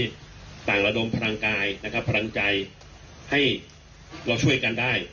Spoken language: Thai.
ต่างระดมพลังกายนะครับพลังใจให้เราช่วยกันได้